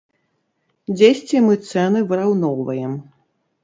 Дзесьці мы цэны выраўноўваем.